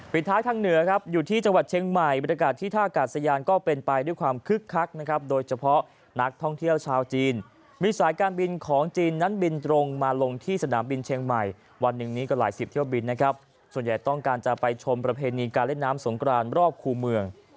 ท้ายทางเหนือครับอยู่ที่จังหวัดเชียงใหม่บรรยากาศที่ท่ากาศยานก็เป็นไปด้วยความคึกคักนะครับโดยเฉพาะนักท่องเที่ยวชาวจีนมีสายการบินของจีนนั้นบินตรงมาลงที่สนามบินเชียงใหม่วันหนึ่งนี้ก็หลายสิบเที่ยวบินนะครับส่วนใหญ่ต้องการจะไปชมประเพณีการเล่นน้ำสงกรานรอบคู่เมือง